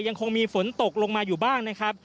ยังคงมีฝนตกลงมาอยู่บ้างนะครับ